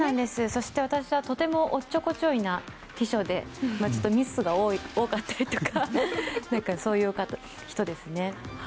そして、私はとてもおっちょこちょいな秘書でミスが多かったりとかそういう人ですね。